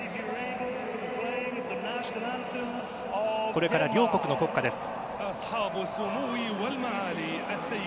これから両国の国歌です。